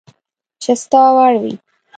چي ستا وړ وي